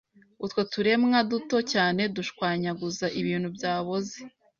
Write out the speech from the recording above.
Utwo turemwa duto cyane dushwanyaguza ibintu byaboze